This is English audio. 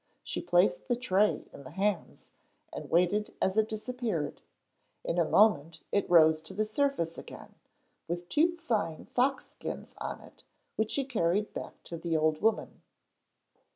She placed the tray in the hands, and waited as it disappeared. In a moment it rose to the surface again, with two fine fox skins on it, which she carried back to the old woman.